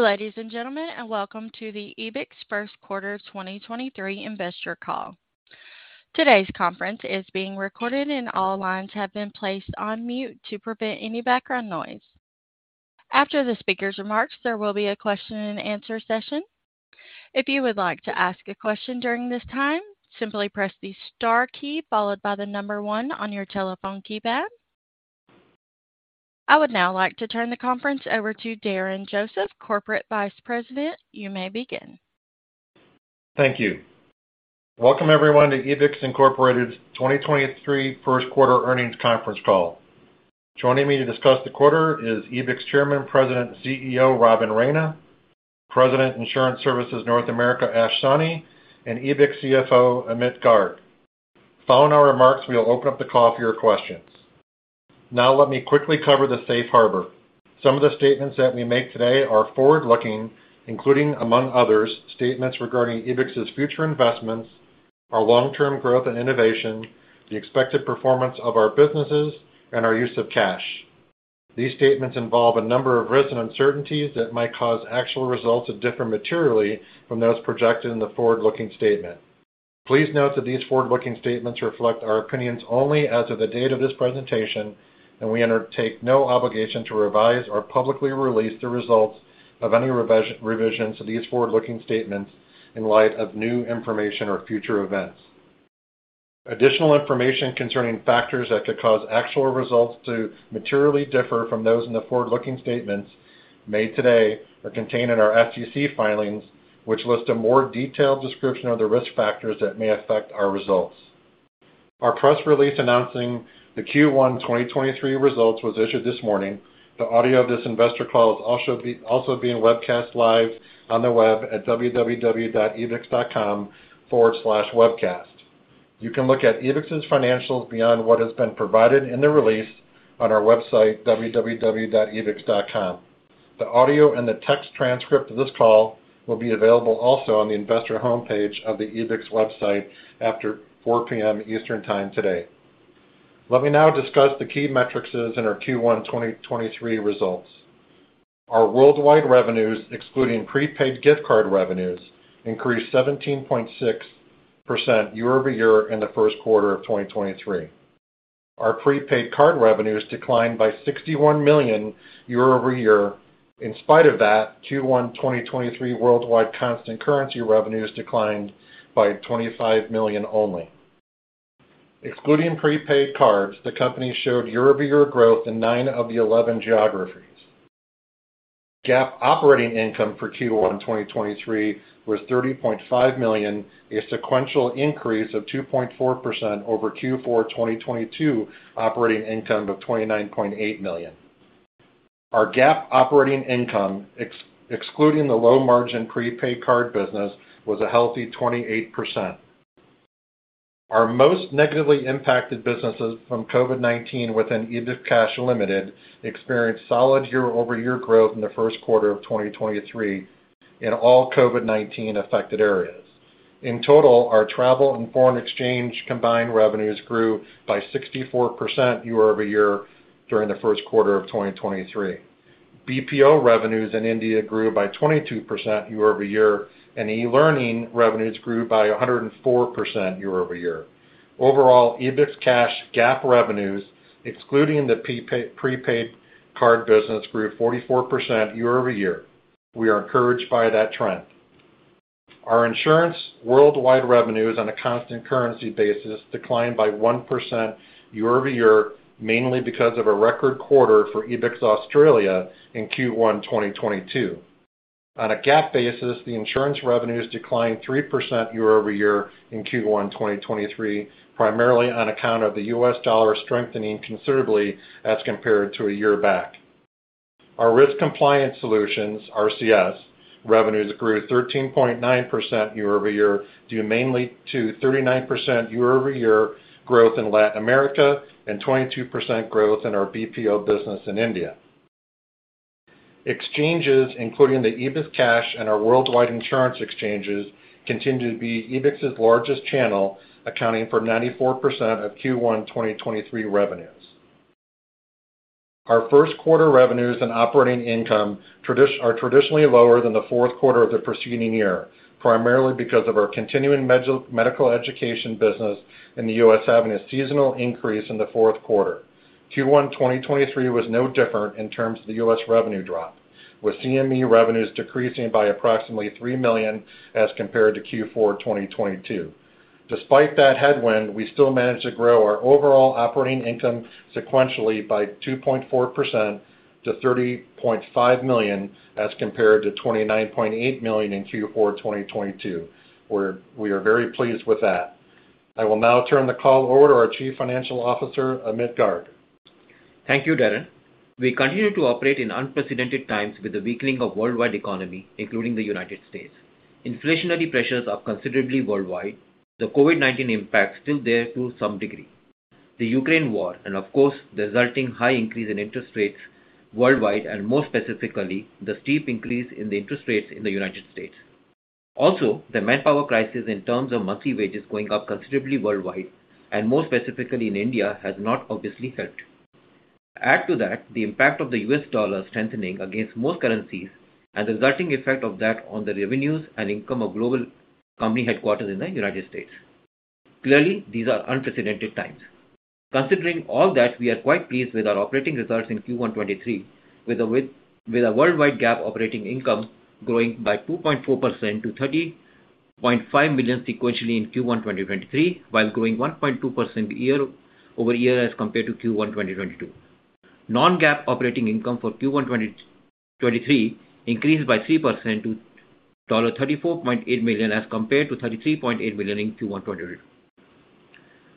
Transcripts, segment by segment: Hello, ladies and gentlemen, and welcome to the Ebix Q1 2023 Investor Call. Today's conference is being recorded and all lines have been placed on mute to prevent any background noise. After the speaker's remarks, there will be a question and answer session. If you would like to ask a question during this time, simply press the star key followed by the one on your telephone keypad. I would now like to turn the conference over to Darren Joseph, Corporate Vice President. You may begin. Thank you. Welcome, everyone, to Ebix, Incorporated's 2023 Q1 Earnings Conference Call. Joining me to discuss the quarter is Ebix Chairman, President, CEO, Robin Raina; President, Insurance Services, North America, Ash Sawhney; and Ebix CFO, Amit Garg. Following our remarks, we will open up the call for your questions. Now let me quickly cover the safe harbor. Some of the statements that we make today are forward-looking, including, among others, statements regarding Ebix's future investments, our long-term growth and innovation, the expected performance of our businesses, and our use of cash. These statements involve a number of risks and uncertainties that might cause actual results to differ materially from those projected in the forward-looking statement. Please note that these forward-looking statements reflect our opinions only as of the date of this presentation, and we undertake no obligation to revise or publicly release the results of any revisions to these forward-looking statements in light of new information or future events. Additional information concerning factors that could cause actual results to materially differ from those in the forward-looking statements made today are contained in our SEC filings, which list a more detailed description of the risk factors that may affect our results. Our press release announcing the Q1 2023 results was issued this morning. The audio of this investor call is also being webcast live on the web at www.ebix.com/webcast. You can look at Ebix's financials beyond what has been provided in the release on our website, www.ebix.com. The audio and the text transcript of this call will be available also on the investor homepage of the Ebix website after 4:00 P.M. Eastern Time today. Let me now discuss the key metrics in our Q1 2023 results. Our worldwide revenues, excluding prepaid gift card revenues, increased 17.6% year-over-year in the first quarter of 2023. Our prepaid card revenues declined by $61 million year-over-year. In spite of that, Q1 2023 worldwide constant currency revenues declined by $25 million only. Excluding prepaid cards, the company showed year-over-year growth in 9 of the 11 geographies. GAAP operating income for Q1 2023 was $30.5 million, a sequential increase of 2.4% over Q4 2022 operating income of $29.8 million. Our GAAP operating income, excluding the low-margin prepaid card business, was a healthy 28%. Our most negatively impacted businesses from COVID-19 within EbixCash Limited experienced solid year-over-year growth in the first quarter of 2023 in all COVID-19 affected areas. In total, our travel and foreign exchange combined revenues grew by 64% year-over-year during the first quarter of 2023. BPO revenues in India grew by 22% year-over-year, and e-learning revenues grew by 104% year-over-year. Overall, EbixCash GAAP revenues, excluding the prepaid card business, grew 44% year-over-year. We are encouraged by that trend. Our insurance worldwide revenues on a constant currency basis declined by 1% year-over-year, mainly because of a record quarter for Ebix Australia in Q1 2022. On a GAAP basis, the insurance revenues declined 3% year-over-year in Q1 2023, primarily on account of the U.S. dollar strengthening considerably as compared to a year back. Our Risk Compliance Solutions, RCS, revenues grew 13.9% year-over-year due mainly to 39% year-over-year growth in Latin America and 22% growth in our BPO business in India. Exchanges, including the EbixCash and our worldwide insurance exchanges, continue to be Ebix's largest channel, accounting for 94% of Q1 2023 revenues. Our first quarter revenues and operating income are traditionally lower than the fourth quarter of the preceding year, primarily because of our continuing medical education business in the U.S. having a seasonal increase in the fourth quarter. Q1 2023 was no different in terms of the U.S. revenue drop, with CME revenues decreasing by approximately $3 million as compared to Q4 2022. Despite that headwind, we still managed to grow our overall operating income sequentially by 2.4% to $30.5 million, as compared to $29.8 million in Q4 2022. We are very pleased with that. I will now turn the call over to our Chief Financial Officer, Amit Garg. Thank you, Darren. We continue to operate in unprecedented times with the weakening of worldwide economy, including the United States. Inflationary pressures are considerably worldwide. The COVID-19 impact still there to some degree. The Ukraine war and, of course, the resulting high increase in interest rates worldwide, and more specifically, the steep increase in the interest rates in the United States. The manpower crisis in terms of monthly wages going up considerably worldwide, and more specifically in India, has not obviously helped. Add to that the impact of the US dollar strengthening against most currencies and the resulting effect of that on the revenues and income of global company headquarters in the United States. Clearly, these are unprecedented times. Considering all that, we are quite pleased with our operating results in Q1 '23, with a worldwide GAAP operating income growing by 2.4% to $30.5 million sequentially in Q1 2023, while growing 1.2% year-over-year as compared to Q1 2022. Non-GAAP operating income for Q1 2023 increased by 3% to $34.8 million as compared to $33.8 million in Q1 2022.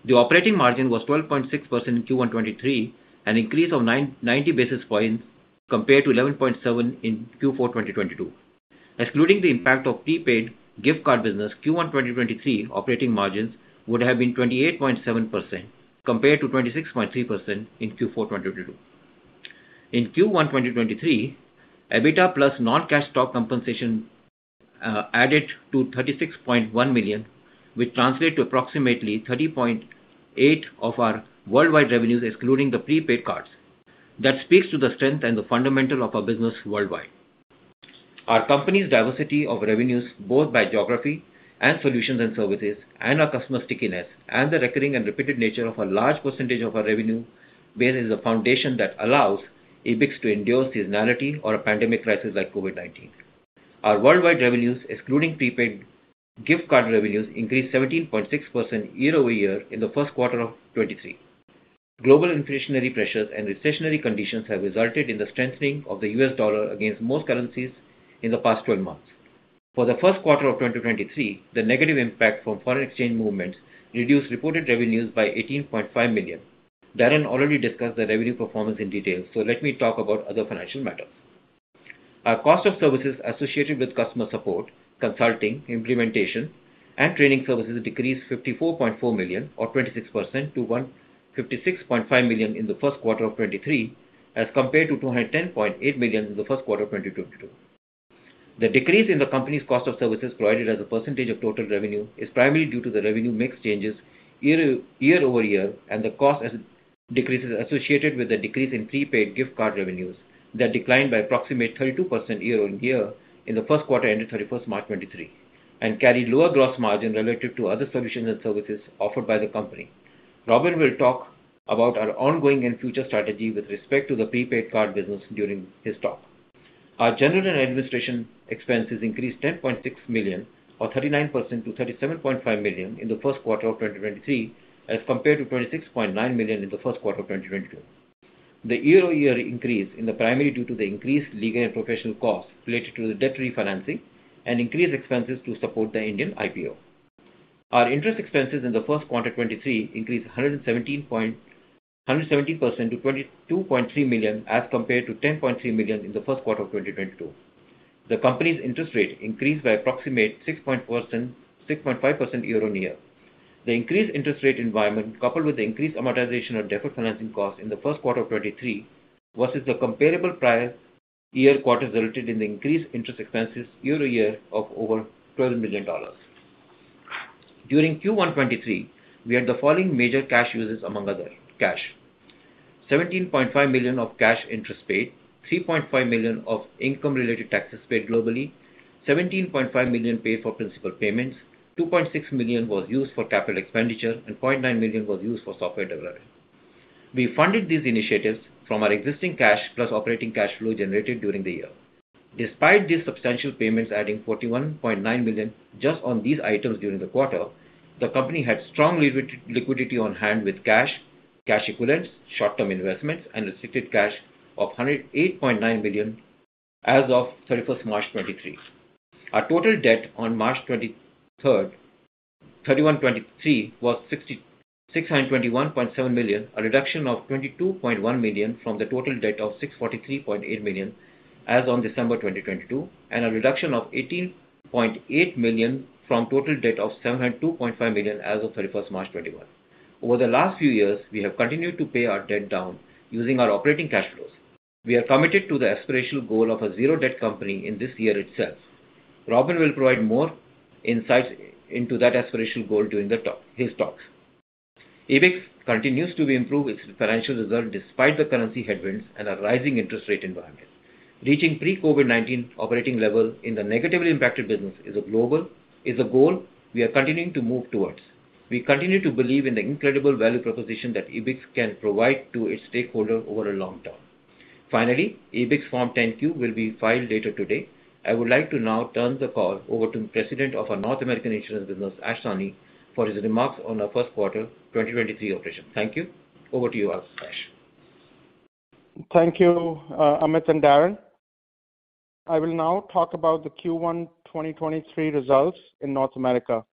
The operating margin was 12.6% in Q1 2023, an increase of 90 basis points compared to 11.7% in Q4 2022. Excluding the impact of prepaid gift card business, Q1 2023 operating margins would have been 28.7% compared to 26.3% in Q4 2022. In Q1 2023, EBITDA plus non-cash stock compensation added to $36.1 million, which translate to approximately 30.8% of our worldwide revenues, excluding the prepaid cards. That speaks to the strength and the fundamental of our business worldwide. Our company's diversity of revenues, both by geography and solutions and services, and our customer stickiness, and the recurring and repeated nature of a large percentage of our revenue base is a foundation that allows Ebix to endure seasonality or a pandemic crisis like COVID-19. Our worldwide revenues, excluding prepaid gift card revenues, increased 17.6% year-over-year in the first quarter of 2023. Global inflationary pressures and recessionary conditions have resulted in the strengthening of the US dollar against most currencies in the past 12 months. For the first quarter of 2023, the negative impact from foreign exchange movements reduced reported revenues by $18.5 million. Darren already discussed the revenue performance in detail. Let me talk about other financial matters. Our cost of services associated with customer support, consulting, implementation, and training services decreased $54.4 million or 26% to $156.5 million in the first quarter of 2023, as compared to $210.8 million in the first quarter of 2022. The decrease in the company's cost of services provided as a percentage of total revenue is primarily due to the revenue mix changes year-over-year and the cost as decreases associated with a decrease in prepaid gift card revenues that declined by approximately 32% year-on-year in the 1st quarter ending 31st March 2023 and carry lower gross margin relative to other solutions and services offered by the company. Robin will talk about our ongoing and future strategy with respect to the prepaid card business during his talk. Our general and administration expenses increased $10.6 million or 39% to $37.5 million in the 1st quarter of 2023, as compared to $26.9 million in the 1st quarter of 2022. The year-over-year increase in the primary due to the increased legal and professional costs related to the debt refinancing and increased expenses to support the Indian IPO. Our interest expenses in the first quarter 2023 increased 117% to $22.3 million, as compared to $10.3 million in the first quarter of 2022. The company's interest rate increased by approximate 6.5% year-on-year. The increased interest rate environment, coupled with the increased amortization of debt refinancing costs in the first quarter of 2023 versus the comparable prior year quarter, resulted in the increased interest expenses year-to-year of over $12 million. During Q1 2023, we had the following major cash uses, among other cash. $17.5 million of cash interest paid. $3.5 million of income-related taxes paid globally. $17.5 million paid for principal payments. $2.6 million was used for CapEx, and $0.9 million was used for software development. We funded these initiatives from our existing cash plus operating cash flow generated during the year. Despite these substantial payments adding $41.9 million just on these items during the quarter, the company had strong liquidity on hand with cash equivalents, short-term investments, and restricted cash of $108.9 million as of March 31, 2023. Our total debt on March 31, 2023 was... $621.7 million, a reduction of $22.1 million from the total debt of $643.8 million as on December 2022, and a reduction of $18.8 million from total debt of $702.5 million as of 31st March 2021. Over the last few years, we have continued to pay our debt down using our operating cash flows. We are committed to the aspirational goal of a zero debt company in this year itself. Robin will provide more insights into that aspirational goal during his talks. Ebix continues to improve its financial results despite the currency headwinds and a rising interest rate environment. Reaching pre-COVID-19 operating level in the negatively impacted business is a goal we are continuing to move towards. We continue to believe in the incredible value proposition that Ebix can provide to its stakeholder over a long term. Finally, Ebix Form 10-Q will be filed later today. I would like to now turn the call over to the President of our North American Insurance business, Ash Sawhney, for his remarks on our first quarter 2023 operations. Thank you. Over to you, Ash. Thank you, Amit and Darren. I will now talk about the Q1 2023 results in North America.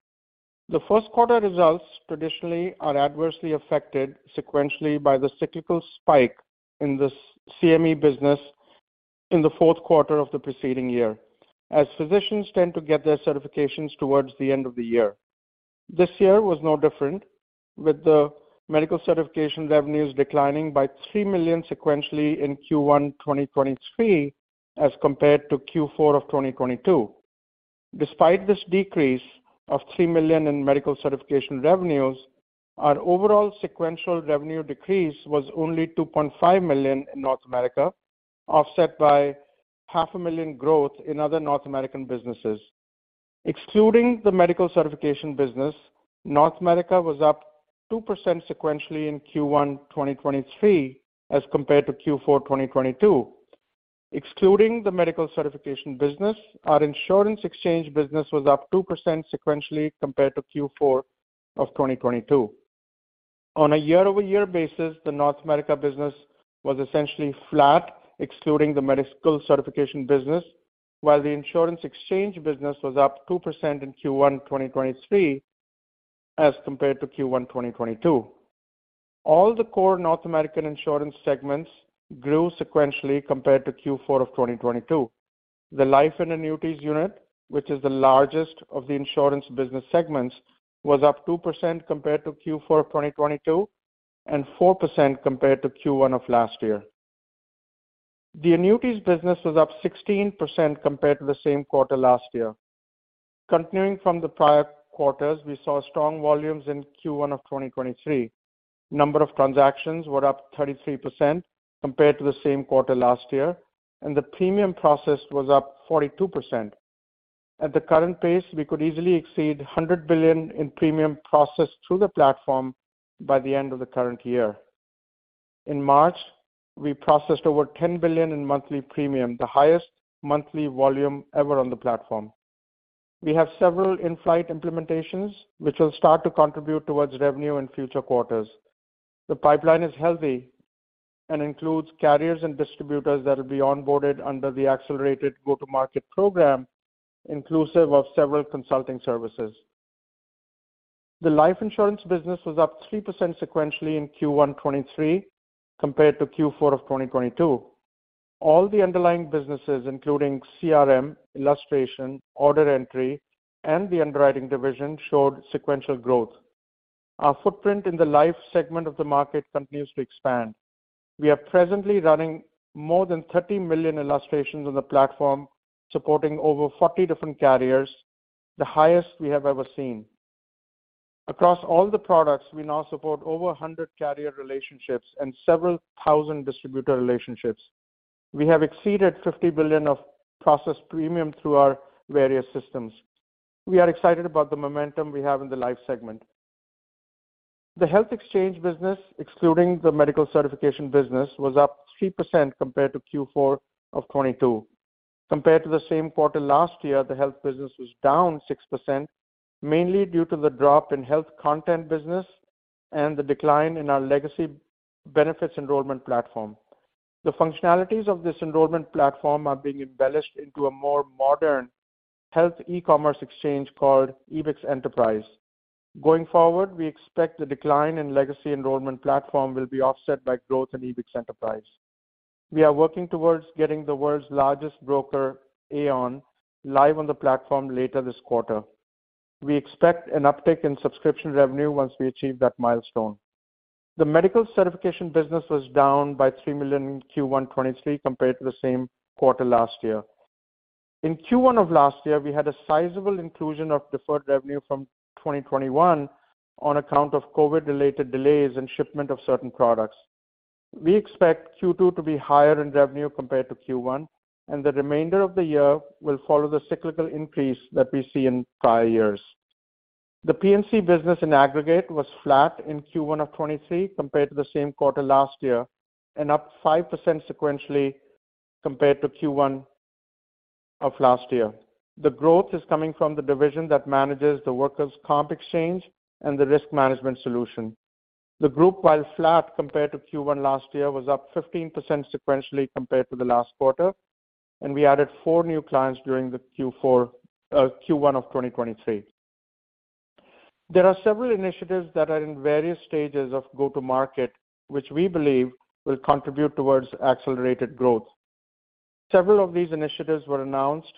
The first quarter results traditionally are adversely affected sequentially by the cyclical spike in this CME business in the fourth quarter of the preceding year, as physicians tend to get their certifications towards the end of the year. This year was no different with the medical certification revenues declining by $3 million sequentially in Q1 2023 as compared to Q4 of 2022. Despite this decrease of $3 million in medical certification revenues, our overall sequential revenue decrease was only $2.5 million in North America, offset by half a million growth in other North American businesses. Excluding the medical certification business, North America was up 2% sequentially in Q1 2023 as compared to Q4 2022. Excluding the medical certification business, our insurance exchange business was up 2% sequentially compared to Q4 of 2022. On a year-over-year basis, the North America business was essentially flat, excluding the medical certification business, while the insurance exchange business was up 2% in Q1 2023 as compared to Q1 2022. All the core North American insurance segments grew sequentially compared to Q4 of 2022. The life and annuities unit, which is the largest of the insurance business segments, was up 2% compared to Q4 of 2022 and 4% compared to Q1 of last year. The annuities business was up 16% compared to the same quarter last year. Continuing from the prior quarters, we saw strong volumes in Q1 of 2023. Number of transactions were up 33% compared to the same quarter last year, the premium processed was up 42%. At the current pace, we could easily exceed $100 billion in premium processed through the platform by the end of the current year. In March, we processed over $10 billion in monthly premium, the highest monthly volume ever on the platform. We have several in-flight implementations which will start to contribute towards revenue in future quarters. The pipeline is healthy and includes carriers and distributors that will be onboarded under the accelerated go-to-market program, inclusive of several consulting services. The life insurance business was up 3% sequentially in Q1 2023 compared to Q4 2022. All the underlying businesses, including CRM, illustration, order entry, and the underwriting division, showed sequential growth. Our footprint in the life segment of the market continues to expand. We are presently running more than 30 million illustrations on the platform, supporting over 40 different carriers, the highest we have ever seen. Across all the products, we now support over 100 carrier relationships and several thousand distributor relationships. We have exceeded $50 billion of processed premium through our various systems. We are excited about the momentum we have in the life segment. The health exchange business, excluding the medical certification business, was up 3% compared to Q4 of 2022. Compared to the same quarter last year, the health business was down 6%, mainly due to the drop in health content business and the decline in our legacy benefits enrollment platform. The functionalities of this enrollment platform are being embellished into a more modern health e-commerce exchange called EbixEnterprise. Going forward, we expect the decline in legacy enrollment platform will be offset by growth in EbixEnterprise. We are working towards getting the world's largest broker, Aon, live on the platform later this quarter. We expect an uptick in subscription revenue once we achieve that milestone. The medical certification business was down by $3 million in Q1 2023 compared to the same quarter last year. In Q1 of last year, we had a sizable inclusion of deferred revenue from 2021 on account of COVID-related delays and shipment of certain products. We expect Q2 to be higher in revenue compared to Q1. The remainder of the year will follow the cyclical increase that we see in prior years. The P&C business in aggregate was flat in Q1 of 2023 compared to the same quarter last year and up 5% sequentially compared to Q1 of last year. The growth is coming from the division that manages the workers' comp exchange and the risk management solution. The group, while flat compared to Q1 last year, was up 15% sequentially compared to the last quarter. We added four new clients during the Q1 of 2023. There are several initiatives that are in various stages of go-to-market, which we believe will contribute towards accelerated growth. Several of these initiatives were announced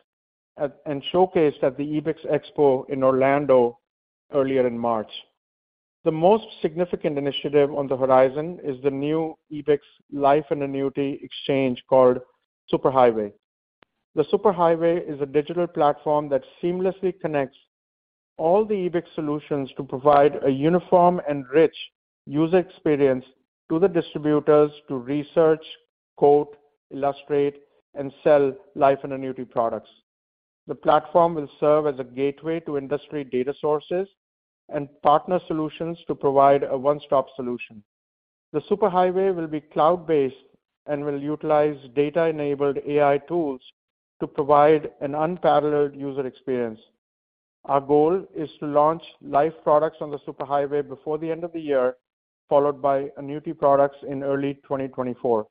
at, and showcased at the Ebix Expo in Orlando earlier in March. The most significant initiative on the horizon is the new Ebix life and annuity exchange called Superhighway. The Superhighway is a digital platform that seamlessly connects all the Ebix solutions to provide a uniform and rich user experience to the distributors to research, quote, illustrate, and sell life and annuity products. The platform will serve as a gateway to industry data sources and partner solutions to provide a one-stop solution. The Superhighway will be cloud-based and will utilize data-enabled AI tools to provide an unparalleled user experience. Our goal is to launch life products on the Superhighway before the end of the year, followed by annuity products in early 2024.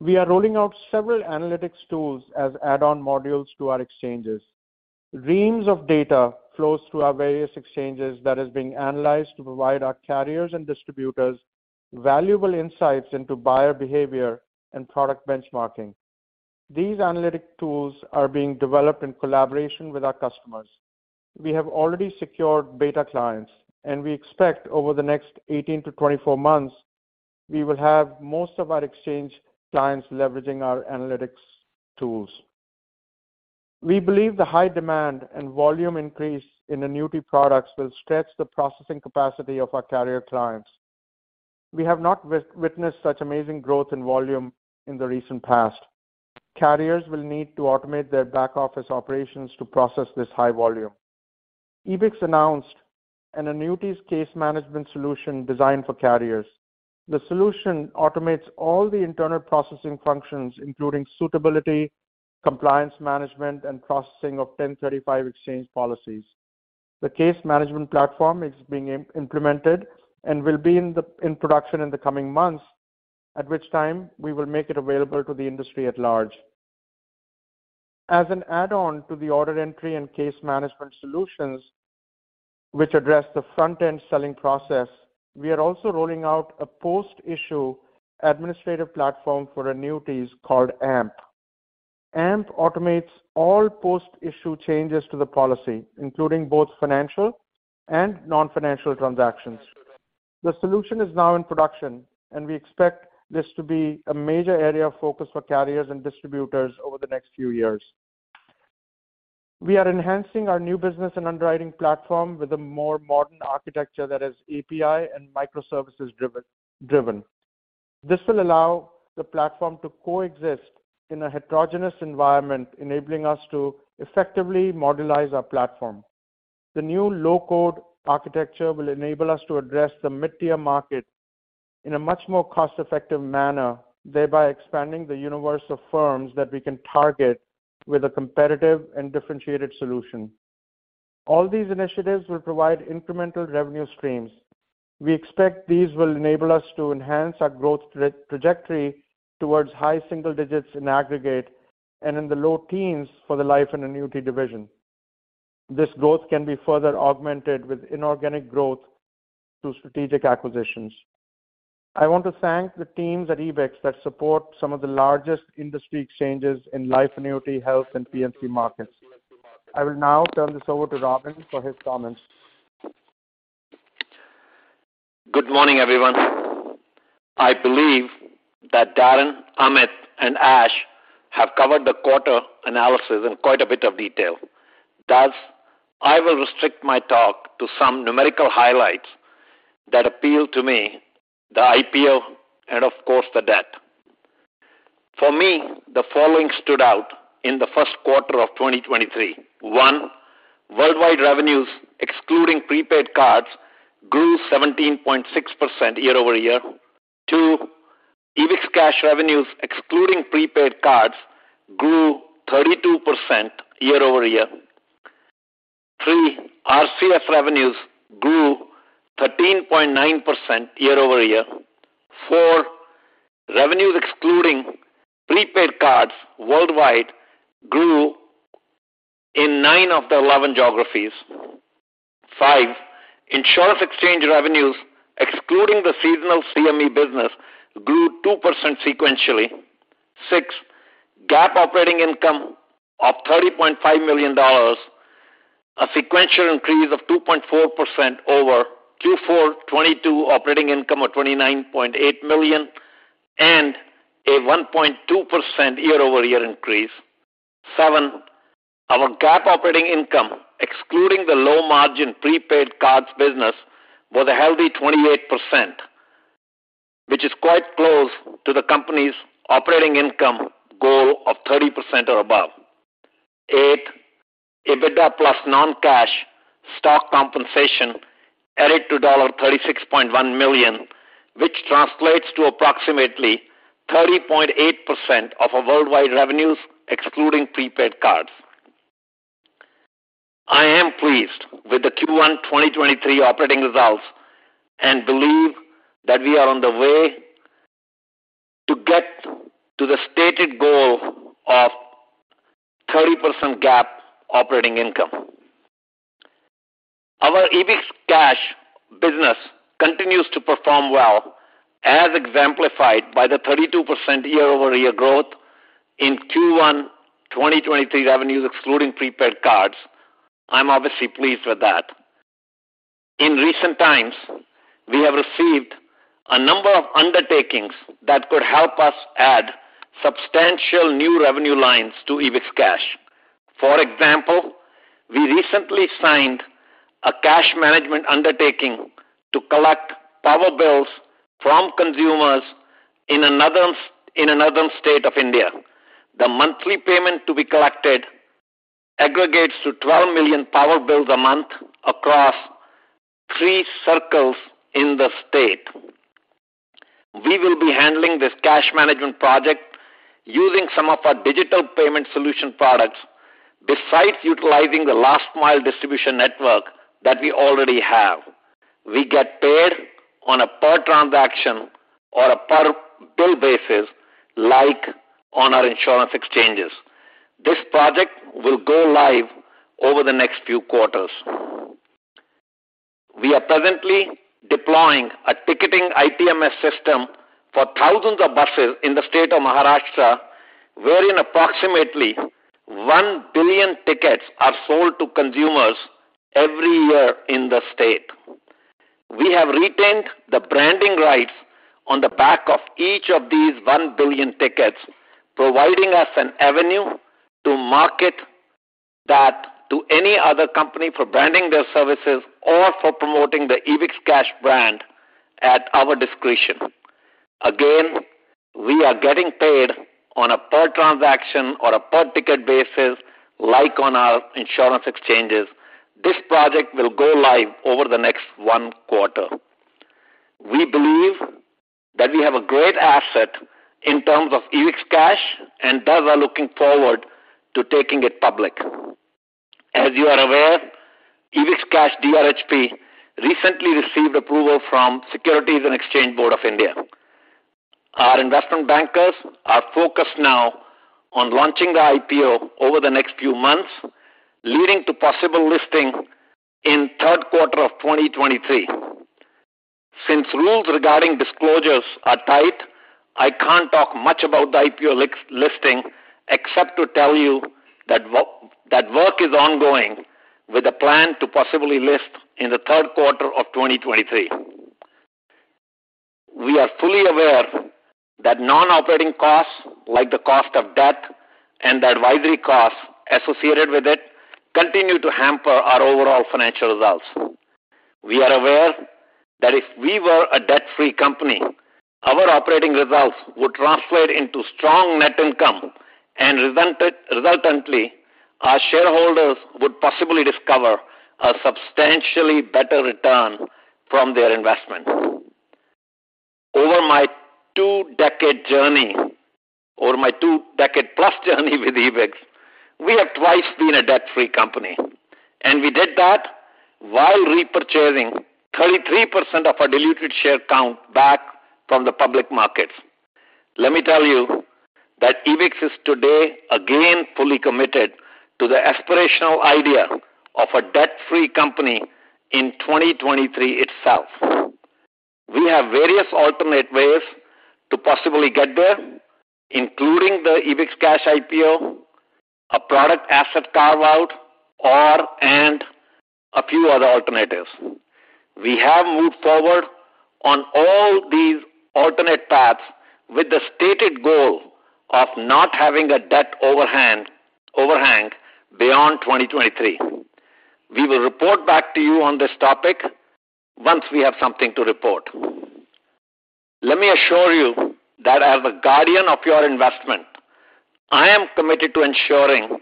We are rolling out several analytics tools as add-on modules to our exchanges. Reams of data flows through our various exchanges that is being analyzed to provide our carriers and distributors valuable insights into buyer behavior and product benchmarking. These analytic tools are being developed in collaboration with our customers. We have already secured beta clients, and we expect over the next 18 to 24 months, we will have most of our exchange clients leveraging our analytics tools. We believe the high demand and volume increase in annuity products will stretch the processing capacity of our carrier clients. We have not witnessed such amazing growth in volume in the recent past. Carriers will need to automate their back-office operations to process this high volume. Ebix announced an annuities case management solution designed for carriers. The solution automates all the internal processing functions, including suitability, compliance management, and processing of 1035 exchange policies. The case management platform is being implemented and will be in production in the coming months, at which time we will make it available to the industry at large. As an add-on to the order entry and case management solutions, which address the front-end selling process, we are also rolling out a post-issue administrative platform for annuities called AMP. AMP automates all post-issue changes to the policy, including both financial and non-financial transactions. The solution is now in production, and we expect this to be a major area of focus for carriers and distributors over the next few years. We are enhancing our new business and underwriting platform with a more modern architecture that is API and microservices driven. This will allow the platform to coexist in a heterogeneous environment, enabling us to effectively modularize our platform. The new low-code architecture will enable us to address the mid-tier market in a much more cost-effective manner, thereby expanding the universe of firms that we can target with a competitive and differentiated solution. All these initiatives will provide incremental revenue streams. We expect these will enable us to enhance our growth trajectory towards high single digits in aggregate and in the low teens for the life and annuity division. This growth can be further augmented with inorganic growth through strategic acquisitions. I want to thank the teams at Ebix that support some of the largest industry exchanges in life annuity, health, and P&C markets. I will now turn this over to Robin for his comments. Good morning, everyone. I believe that Darren, Amit, and Ash have covered the quarter analysis in quite a bit of detail. Thus, I will restrict my talk to some numerical highlights that appeal to me, the IPO, and of course, the debt. For me, the following stood out in the first quarter of 2023. one, worldwide revenues excluding prepaid cards grew 17.6% year-over-year. Two, EbixCash revenues excluding prepaid cards grew 32% year-over-year. three, RCS revenues grew 13.9% year-over-year. Four, revenues excluding prepaid cards worldwide grew in 9 of the 11 geographies. five, insurance exchange revenues, excluding the seasonal CME business, grew 2% sequentially. 6, GAAP operating income of $30.5 million, a sequential increase of 2.4% over Q4 2022 operating income of $29.8 million and a 1.2% year-over-year increase. Seven, our GAAP operating income, excluding the low-margin prepaid cards business, was a healthy 28%, which is quite close to the company's operating income goal of 30% or above. 8, EBITDA plus non-cash stock compensation added to $36.1 million, which translates to approximately 30.8% of our worldwide revenues excluding prepaid cards. I am pleased with the Q1 2023 operating results and believe that we are on the way to get to the stated goal of 30% GAAP operating income. Our EbixCash business continues to perform well, as exemplified by the 32% year-over-year growth in Q1 2023 revenues excluding prepaid cards. I'm obviously pleased with that. In recent times, we have received a number of undertakings that could help us add substantial new revenue lines to EbixCash. For example, we recently signed a cash management undertaking to collect power bills from consumers in another state of India. The monthly payment to be collected aggregates to 12 million power bills a month across three circles in the state. We will be handling this cash management project using some of our digital payment solution products, besides utilizing the last mile distribution network that we already have. We get paid on a per transaction or a per bill basis like on our insurance exchanges. This project will go live over the next few quarters. We are presently deploying a ticketing ITMS system for thousands of buses in the state of Maharashtra, wherein approximately 1 billion tickets are sold to consumers every year in the state. We have retained the branding rights on the back of each of these 1 billion tickets, providing us an avenue to market that to any other company for branding their services or for promoting the EbixCash brand at our discretion. Again, we are getting paid on a per transaction or a per ticket basis like on our insurance exchanges. This project will go live over the next 1 quarter. We believe that we have a great asset in terms of EbixCash, and thus are looking forward to taking it public. As you are aware, EbixCash DRHP recently received approval from Securities and Exchange Board of India. Our investment bankers are focused now on launching the IPO over the next few months, leading to possible listing in third quarter of 2023. Since rules regarding disclosures are tight, I can't talk much about the IPO listing except to tell you that work is ongoing with a plan to possibly list in the third quarter of 2023. We are fully aware that non-operating costs, like the cost of debt and the advisory costs associated with it, continue to hamper our overall financial results. We are aware that if we were a debt-free company, our operating results would translate into strong net income and resultantly, our shareholders would possibly discover a substantially better return from their investment. Over my two-decade journey or my two-decade-plus journey with Ebix, we have twice been a debt-free company, and we did that while repurchasing 33% of our diluted share count back from the public markets. Let me tell you that Ebix is today again fully committed to the aspirational idea of a debt-free company in 2023 itself. We have various alternate ways to possibly get there, including the EbixCash IPO, a product asset carve-out, or/and a few other alternatives. We have moved forward on all these alternate paths with the stated goal of not having a debt overhang beyond 2023. We will report back to you on this topic once we have something to report. Let me assure you that as a guardian of your investment, I am committed to ensuring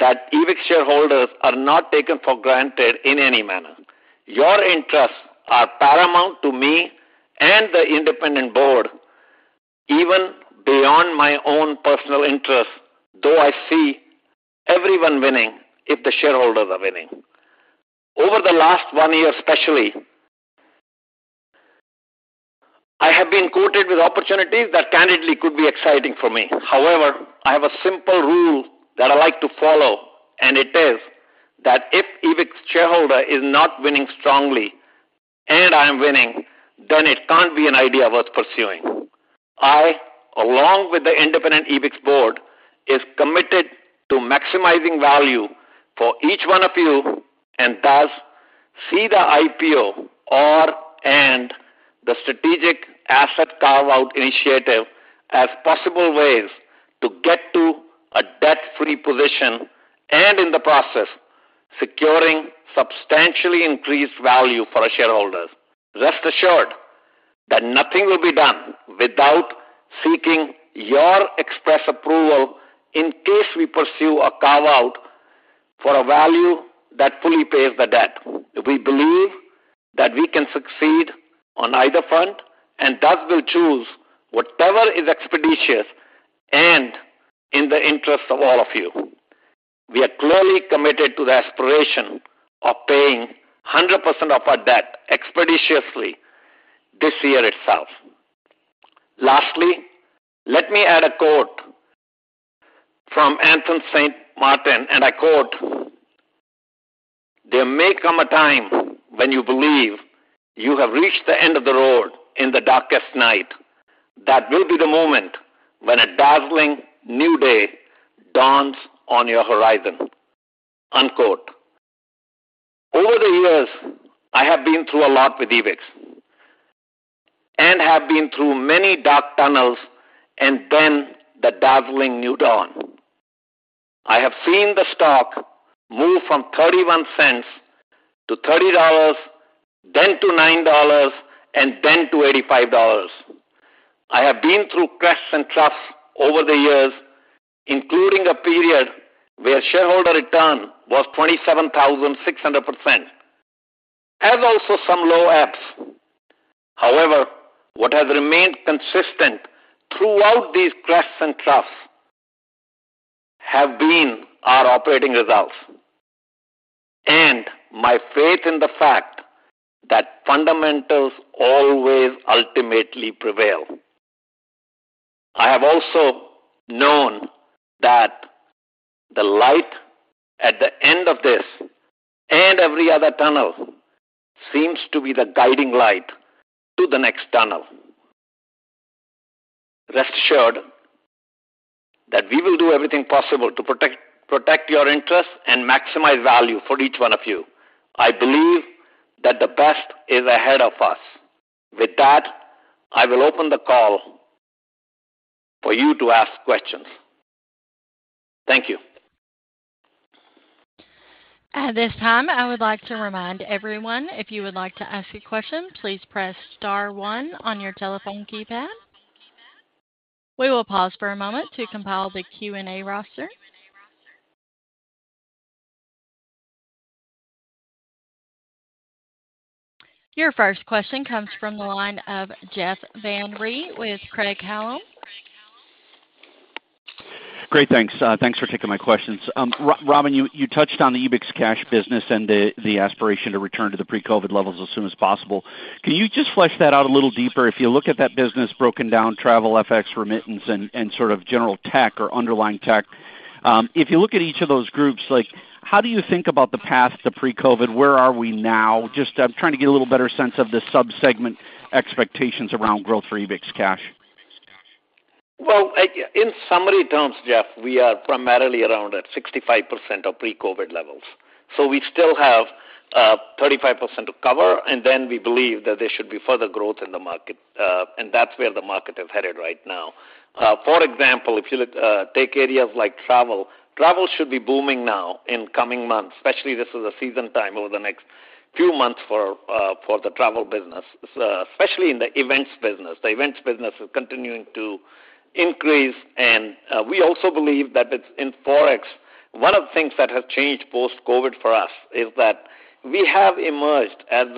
that Ebix shareholders are not taken for granted in any manner. Your interests are paramount to me and the independent board, even beyond my own personal interests, though I see everyone winning if the shareholders are winning. Over the last 1 year especially, I have been courted with opportunities that candidly could be exciting for me. However, I have a simple rule that I like to follow, and it is that if Ebix shareholder is not winning strongly and I am winning, then it can't be an idea worth pursuing. I, along with the independent Ebix board, is committed to maximizing value for each 1 of you and thus see the IPO or/and the strategic asset carve-out initiative as possible ways to get to a debt-free position and in the process securing substantially increased value for our shareholders. Rest assured that nothing will be done without seeking your express approval in case we pursue a carve-out for a value that fully pays the debt. We believe that we can succeed on either front, thus will choose whatever is expeditious and in the interest of all of you. We are clearly committed to the aspiration of paying 100% of our debt expeditiously this year itself. Let me add a quote from Anthony St. Maarten, I quote, "There may come a time when you believe you have reached the end of the road in the darkest night. That will be the moment when a dazzling new day dawns on your horizon." Over the years, I have been through a lot with Ebix and have been through many dark tunnels and then the dazzling new dawn. I have seen the stock move from $0.31 to $30, then to $9, and then to $85. I have been through crests and troughs over the years, including a period where shareholder return was 27,600%, as also some low ebbs. However, what has remained consistent throughout these crests and troughs have been our operating results and my faith in the fact that fundamentals always ultimately prevail. I have also known that the light at the end of this and every other tunnel seems to be the guiding light to the next tunnel. Rest assured that we will do everything possible to protect your interest and maximize value for each one of you. I believe that the best is ahead of us. With that, I will open the call for you to ask questions. Thank you. At this time, I would like to remind everyone, if you would like to ask a question, please press star one on your telephone keypad. We will pause for a moment to compile the Q&A roster. Your first question comes from the line of Jeff Van Rhee with Craig-Hallum. Great, thanks. Thanks for taking my questions. Robin, you touched on the EbixCash business and the aspiration to return to the pre-COVID levels as soon as possible. Can you just flesh that out a little deeper? If you look at that business broken down, travel, FX, remittance, and sort of general tech or underlying tech, if you look at each of those groups, like how do you think about the path to pre-COVID? Where are we now? Just I'm trying to get a little better sense of the sub-segment expectations around growth for EbixCash. Well, in summary terms, Jeff, we are primarily around at 65% of pre-COVID levels. We still have 35% to cover, we believe that there should be further growth in the market, and that's where the market is headed right now. For example, if you look, take areas like travel should be booming now in coming months, especially this is a season time over the next few months for the travel business, especially in the events business. The events business is continuing to increase, we also believe that it's in Forex. One of the things that has changed post-COVID for us is that we have emerged as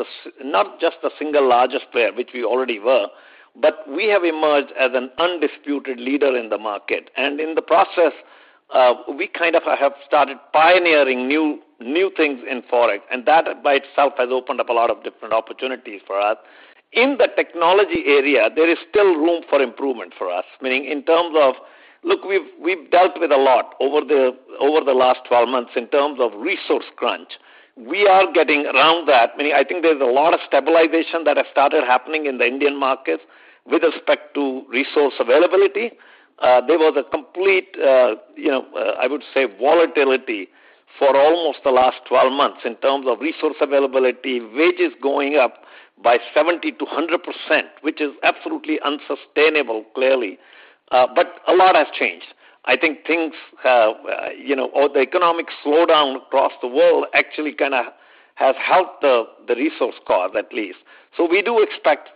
not just the single largest player, which we already were, but we have emerged as an undisputed leader in the market. In the process, we kind of have started pioneering new things in Forex, and that by itself has opened up a lot of different opportunities for us. In the technology area, there is still room for improvement for us. Look, we've dealt with a lot over the last 12 months in terms of resource crunch. We are getting around that, meaning I think there's a lot of stabilization that has started happening in the Indian markets with respect to resource availability. There was a complete, you know, I would say volatility for almost the last 12 months in terms of resource availability, wages going up by 70%-100%, which is absolutely unsustainable, clearly. A lot has changed. I think things have, you know, or the economic slowdown across the world actually kinda has helped the resource cause, at least. We do expect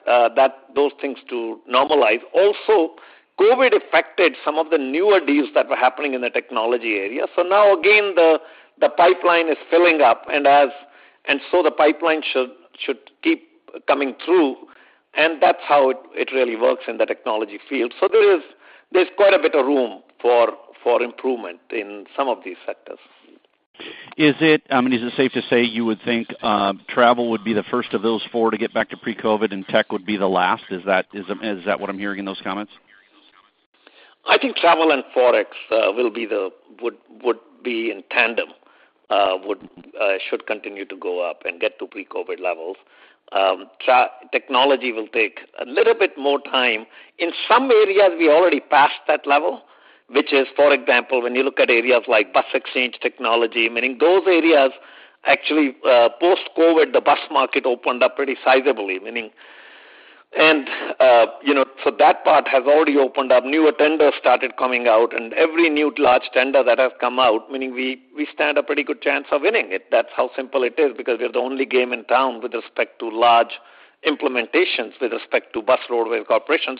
those things to normalize. Also, COVID affected some of the newer deals that were happening in the technology area. Now again, the pipeline is filling up and so the pipeline should keep coming through, and that's how it really works in the technology field. There's quite a bit of room for improvement in some of these sectors. Is it, I mean, is it safe to say you would think travel would be the first of those four to get back to pre-COVID and tech would be the last? Is that what I'm hearing in those comments? I think travel and Forex would be in tandem, should continue to go up and get to pre-COVID levels. Technology will take a little bit more time. In some areas we already passed that level, which is for example, when you look at areas like bus exchange technology, meaning those areas actually post-COVID, the bus market opened up pretty sizably. Meaning. You know, so that part has already opened up. Newer tenders started coming out, and every new large tender that has come out, meaning we stand a pretty good chance of winning it. That's how simple it is because we're the only game in town with respect to large implementations, with respect to Bus Roadway Corporation.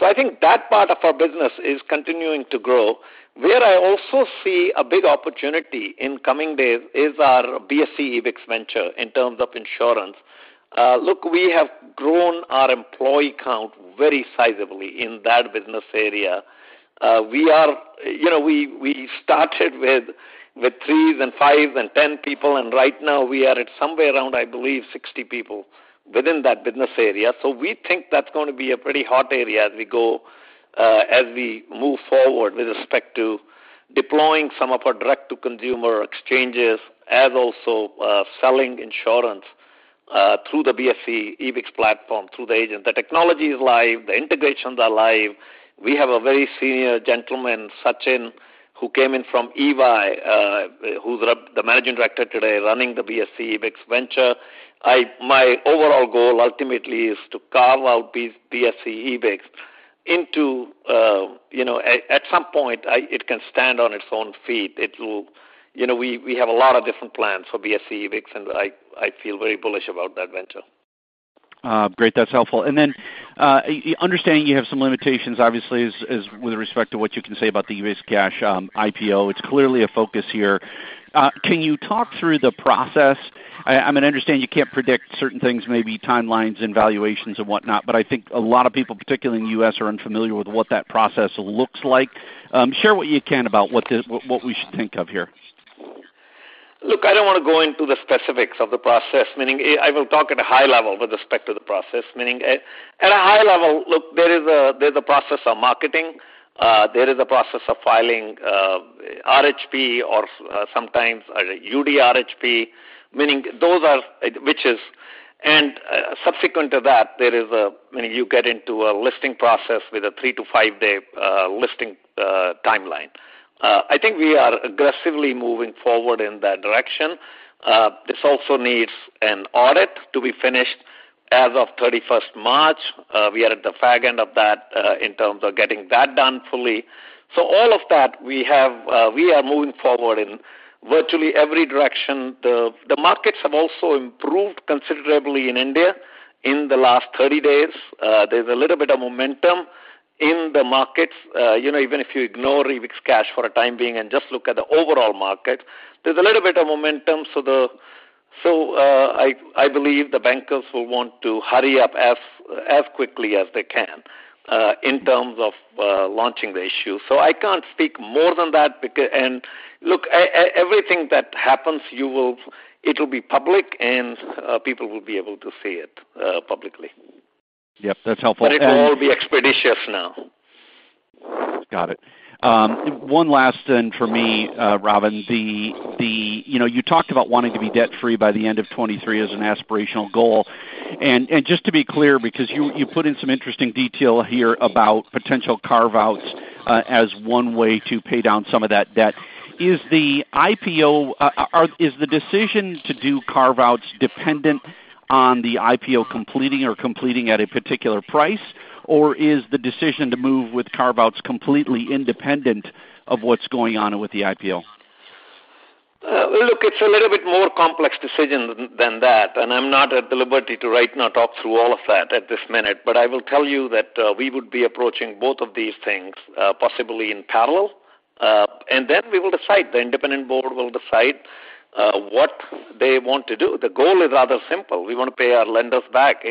I think that part of our business is continuing to grow. Where I also see a big opportunity in coming days is our BSE EBIX venture in terms of insurance. Look, we have grown our employee count very sizably in that business area. We are, you know, we started with 3 and 5 and 10 people, right now we are at somewhere around, I believe, 60 people within that business area. We think that's gonna be a pretty hot area as we go as we move forward with respect to deploying some of our direct-to-consumer exchanges and also selling insurance through the BSE EBIX platform, through the agent. The technology is live. The integrations are live. We have a very senior gentleman, Sachin, who came in from EY, who's the managing director today running the BSE EBIX venture. My overall goal ultimately is to carve out BSE EBIX into, you know, at some point, it can stand on its own feet. It will. You know, we have a lot of different plans for BSE EBIX, and I feel very bullish about that venture. Great. That's helpful. Then, understanding you have some limitations obviously is with respect to what you can say about the EbixCash IPO. It's clearly a focus here. Can you talk through the process? I mean, I understand you can't predict certain things, maybe timelines and valuations and whatnot, but I think a lot of people, particularly in the U.S., are unfamiliar with what that process looks like. Share what you can about what the, what we should think of here. Look, I don't wanna go into the specifics of the process, meaning I will talk at a high level with respect to the process, meaning at a high level, there's a process of marketing, there is a process of filing RHP or sometimes a UDRHP. Subsequent to that, there is a, you know, you get into a listing process with a 3-5 day listing timeline. I think we are aggressively moving forward in that direction. This also needs an audit to be finished as of 31st March. We are at the far end of that, in terms of getting that done fully. All of that we have, we are moving forward in virtually every direction. The markets have also improved considerably in India in the last 30 days. There's a little bit of momentum in the markets. You know, even if you ignore EbixCash for the time being and just look at the overall market, there's a little bit of momentum. I believe the bankers will want to hurry up as quickly as they can in terms of launching the issue. I can't speak more than that. Look, everything that happens, it'll be public and people will be able to see it publicly. Yep, that's helpful. It will all be expeditious now. Got it. One last thing for me, Robin. You know, you talked about wanting to be debt-free by the end of 2023 as an aspirational goal. Just to be clear, because you put in some interesting detail here about potential carve-outs, as one way to pay down some of that debt. Is the decision to do carve-outs dependent on the IPO completing or completing at a particular price? Or is the decision to move with carve-outs completely independent of what's going on with the IPO? Look, it's a little bit more complex decision than that, and I'm not at liberty to right now talk through all of that at this minute. I will tell you that we would be approaching both of these things possibly in parallel, and then we will decide. The independent board will decide what they want to do. The goal is rather simple. We wanna pay our lenders back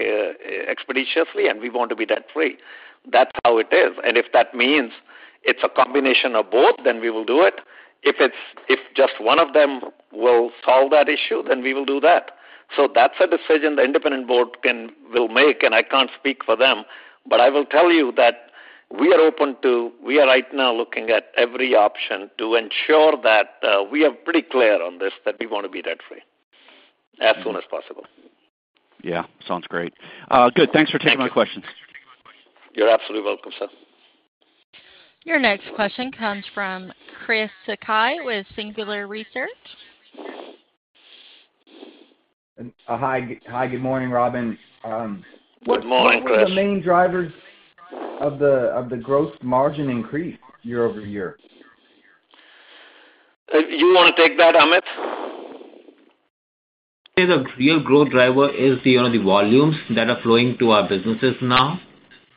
expeditiously, and we want to be debt-free. That's how it is. If that means it's a combination of both, then we will do it. If just one of them will solve that issue, then we will do that. That's a decision the independent board can, will make, and I can't speak for them. I will tell you that we are open to, we are right now looking at every option to ensure that we are pretty clear on this, that we want to be debt-free as soon as possible. Yeah. Sounds great. Good. Thank you. Thanks for taking my questions. You're absolutely welcome, sir. Your next question comes from Chris Sakai with Singular Research. Hi, good morning, Robin. Good morning, Chris. What were the main drivers of the gross margin increase year-over-year? You wanna take that, Amit? The real growth driver is the, you know, the volumes that are flowing to our businesses now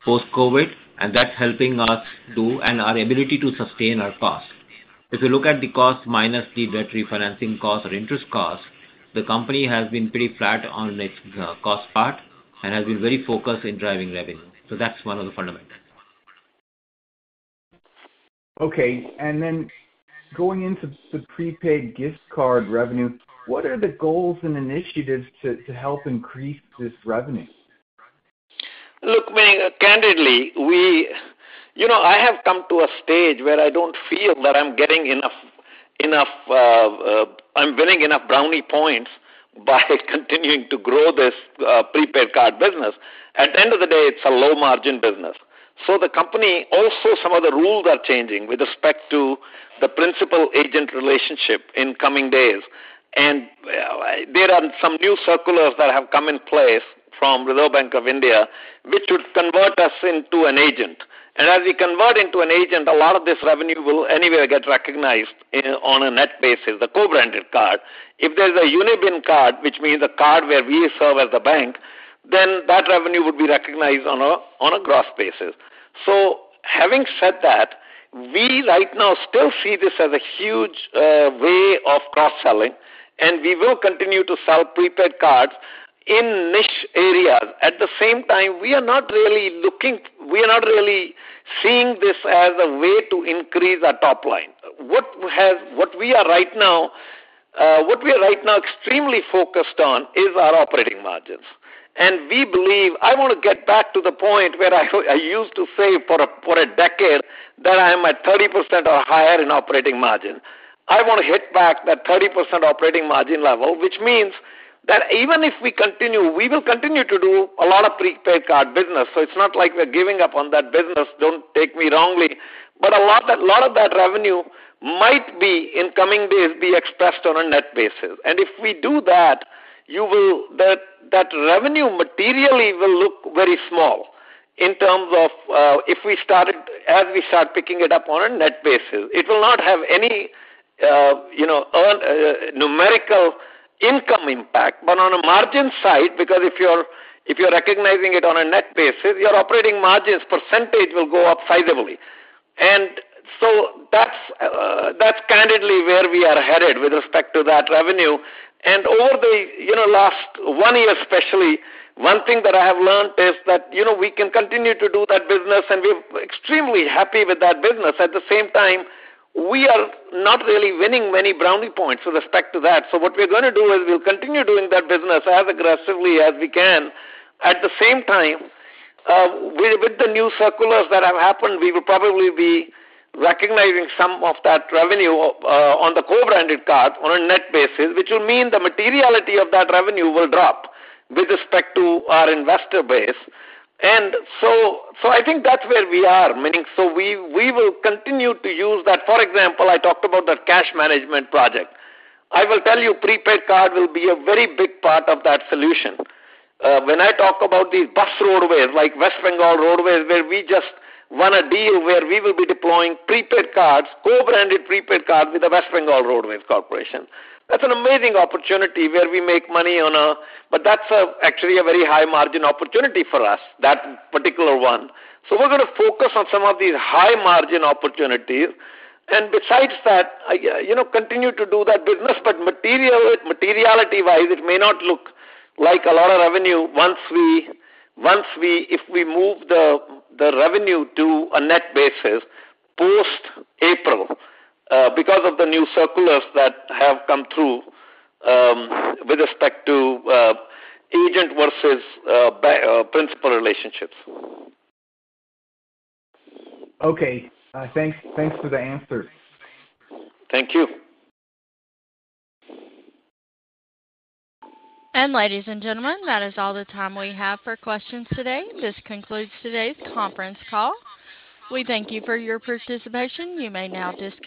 post-COVID, and that's helping us. Our ability to sustain our costs. If you look at the cost minus the debt refinancing cost or interest cost, the company has been pretty flat on its cost part and has been very focused in driving revenue. That's one of the fundamentals. Okay, and then going into the prepaid gift card revenue, what are the goals and initiatives to help increase this revenue? Look, I mean, candidly, you know, I have come to a stage where I don't feel that I'm getting enough brownie points by continuing to grow this prepaid card business. At the end of the day, it's a low-margin business. Also some of the rules are changing with respect to the principal-agent relationship in coming days. There are some new circulars that have come in place from Reserve Bank of India, which would convert us into an agent. As we convert into an agent, a lot of this revenue will anyway get recognized on a net basis, the co-branded card. If there's a uniband card, which means a card where we serve as the bank, then that revenue would be recognized on a gross basis. Having said that, we right now still see this as a huge way of cross-selling, and we will continue to sell prepaid cards in niche areas. At the same time, we are not really seeing this as a way to increase our top line. What we are right now extremely focused on is our operating margins. We believe. I wanna get back to the point where I used to say for a decade that I am at 30% or higher in operating margin. I wanna hit back that 30% operating margin level, which means that even if we continue, we will continue to do a lot of prepaid card business, so it's not like we're giving up on that business, don't take me wrongly. A lot of that revenue might be, in coming days, be expressed on a net basis. If we do that, you will. That revenue materially will look very small in terms of, as we start picking it up on a net basis. It will not have any, you know, earn numerical income impact. On a margin side, because if you're recognizing it on a net basis, your operating margins % will go up sizably. That's candidly where we are headed with respect to that revenue. Over the, you know, last one year especially, one thing that I have learned is that, you know, we can continue to do that business, and we're extremely happy with that business. At the same time, we are not really winning many brownie points with respect to that. What we're gonna do is we'll continue doing that business as aggressively as we can. At the same time, with the new circulars that have happened, we will probably be recognizing some of that revenue on the co-branded card on a net basis, which will mean the materiality of that revenue will drop with respect to our investor base. I think that's where we are, meaning so we will continue to use that. For example, I talked about that cash management project. I will tell you prepaid card will be a very big part of that solution. When I talk about these bus roadways, like West Bengal Roadways, where we just won a deal where we will be deploying prepaid cards, co-branded prepaid cards with the West Bengal State Road Transport Corporation. That's an amazing opportunity where we make money. That's actually a very high-margin opportunity for us, that particular one. We're gonna focus on some of these high-margin opportunities. Besides that, you know, continue to do that business, but materiality-wise, it may not look like a lot of revenue once we if we move the revenue to a net basis post-April, because of the new circulars that have come through with respect to agent versus principal relationships. Okay. Thanks for the answer. Thank you. Ladies and gentlemen, that is all the time we have for questions today. This concludes today's conference call. We thank you for your participation. You may now disconnect.